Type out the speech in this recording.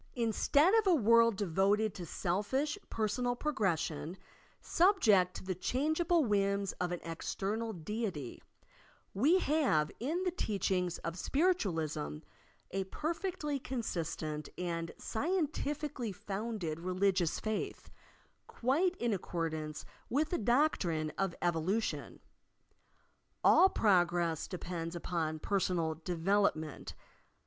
In stead of a world devoted to selfish personal progression, subject to the changeable whims of an external Deity, we have in the teachings of Spiritualism a perfectly consistent and scientifically founded religious faith, quite in accordance with the doctrine of evolution. All prog ress depends upon personal development.